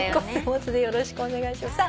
「秋桜」でよろしくお願いします。